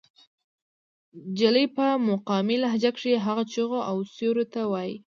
جلۍ پۀ مقامي لهجه کښې هغه چغو او سُورو ته وائي